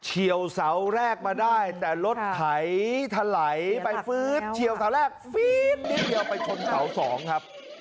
ี่ยวเสาแรกมาได้แต่รถไถถลายไปฟื๊ดเฉียวเสาแรกฟี๊ดนิดเดียวไปชนเสาสองครับ